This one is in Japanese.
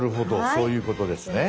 そういうことですね。